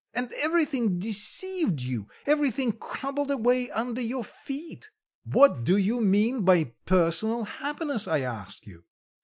"And everything deceived you; everything crumbled away under your feet." "What do you mean by personal happiness, I ask you?"